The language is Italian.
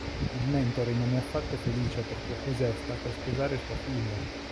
Il mentore non è affatto felice perché Jose sta per sposare sua figlia.